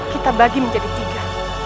kita bagi menjadi tiga